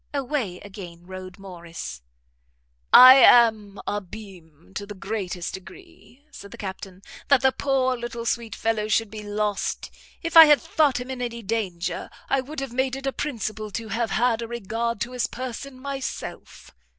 Away again rode Morrice. "I am abimé to the greatest degree," said the Captain, "that the poor little sweet fellow should be lost if I had thought him in any danger, I would have made it a principle to have had a regard to his person myself.